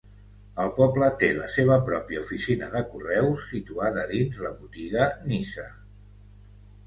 El poble té la seva pròpia oficina de correus situada dins la botiga Nisa.